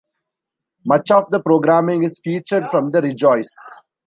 Much of the programing is featured from the Rejoice!